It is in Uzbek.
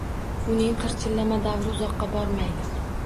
Uning qirchillama davri uzoqqa bormaydi